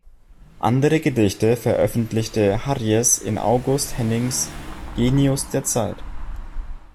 Andere Gedichte veröffentlichte Harries in August Hennings′ "Genius der Zeit".